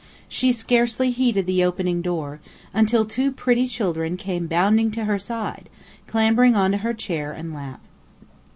She scarcely heeded the opening door, until two pretty children came bounding to her side, clambering onto her chair and lap.